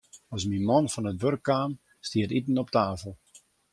As myn man fan it wurk kaam, stie it iten op 'e tafel.